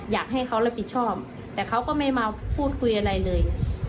อยากให้เขารับผิดชอบแต่เขาก็ไม่มาพูดคุยอะไรเลย